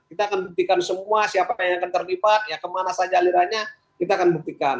kita akan buktikan semua siapa yang akan terlibat kemana saja alirannya kita akan buktikan